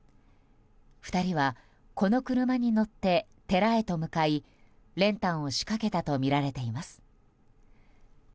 ２人は、この車に乗って寺へと向かい練炭を仕掛けたとみられています。